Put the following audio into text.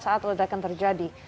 saat ledakan terjadi